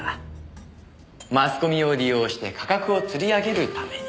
マスコミを利用して価格をつり上げるために。